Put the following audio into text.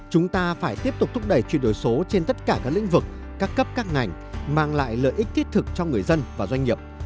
chúng ta phải tiếp tục thúc đẩy chuyển đổi số trên tất cả các lĩnh vực các cấp các ngành mang lại lợi ích thiết thực cho người dân và doanh nghiệp